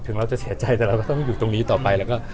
เราจะเสียใจแต่เราก็ต้องอยู่ตรงนี้ต่อไปแล้วก็